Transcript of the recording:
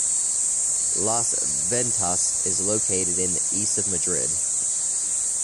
"Las Ventas" is located in the east of Madrid.